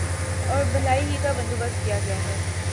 اور بھلائی ہی کا بندو بست کیا گیا ہے